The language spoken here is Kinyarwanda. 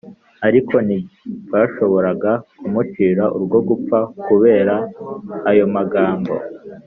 ariko ntibashoboraga kumucira urwo gupfa kubera ayo magambo,